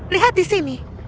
lihat di sini